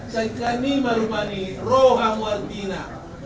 saikan ni mada rupani rohamu artina